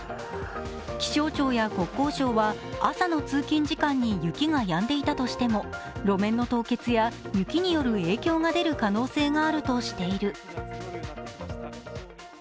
気象庁や国交省は朝の通勤時間に雪がやんでいたとしても、路面の凍結や雪による影響が出る可能性があるとしている。